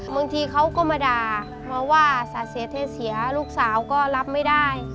บางทีเขาก็มาด่ามาว่าสาเสียเทเสียลูกสาวก็รับไม่ได้